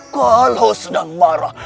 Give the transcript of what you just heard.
kalau sedang marah